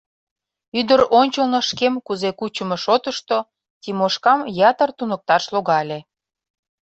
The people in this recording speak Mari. Ӱдыр ончылно шкем кузе кучымо шотышто Тимошкам ятыр туныкташ логале.